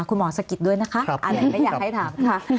คุณหมอสกิดด้วยนะคะอันนี้ไม่อยากให้ถามค่ะ